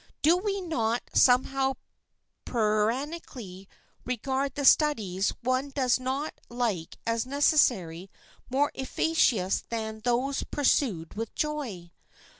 Do we not somewhat puritanically regard the studies one does not like as necessarily more efficacious than those pursued with joy?